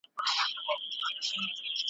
بزګر وویل خبره دي منمه ,